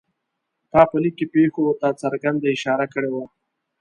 تا په لیک کې پېښو ته څرګنده اشاره کړې وه.